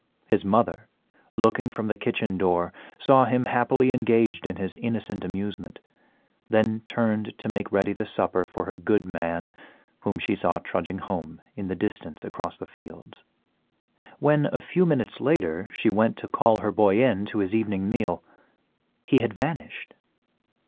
His mother, looking from the kitchen door, saw him happily engaged in his innocent amusement, then turned to make ready the supper for her good man, whom she saw trudging home in the distance across the fields. When, a few minutes later, she went to call her boy in to his evening meal, he had vanished.